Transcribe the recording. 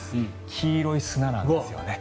黄色い砂なんですよね。